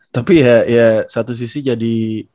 tapi ya satu sisi jadi